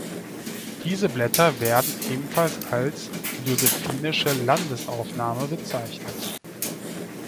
Diese Blätter werden ebenfalls als „Josephinische Landesaufnahme“ bezeichnet.